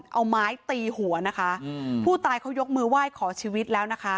เอาไม้ตีหัวนะคะอืมผู้ตายเขายกมือไหว้ขอชีวิตแล้วนะคะ